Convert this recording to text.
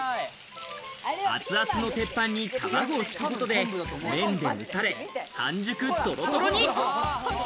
熱々の鉄板に卵を敷くことで、半熟トロトロに。